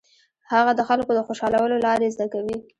هغه د خلکو د خوشالولو لارې زده کوي.